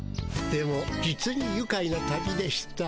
でも実にゆかいな旅でした。